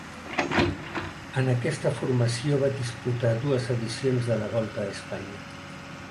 En aquesta formació va disputar dues edicions de la Volta a Espanya.